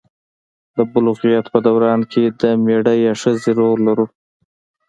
د بلوغیت په دوران کې د میړه یا ښځې رول لرو.